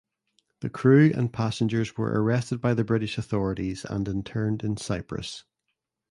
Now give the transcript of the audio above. The crew and passengers were arrested by the British authorities and interned in Cyprus.